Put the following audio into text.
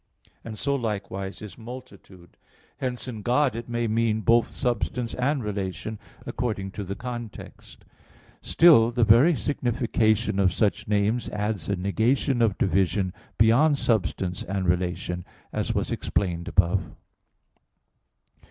And so likewise is multitude; hence in God it may mean both substance and relation, according to the context. Still, the very signification of such names adds a negation of division, beyond substance and relation; as was explained above.